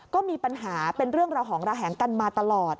ก็มีปัญหาเป็นเรื่องระหองระแหงกันมาตลอด